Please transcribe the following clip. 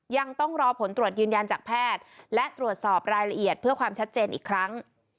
ยังต้องรอผลตรวจยืนยันจากแพทย์และตรวจสอบรายละเอียดเพื่อความชัดเจนอีกครั้ง